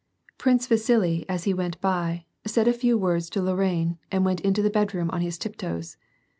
Prince Vasili, as he went by, said a few words to Lorraine and went into the bedroom on his tiptoes.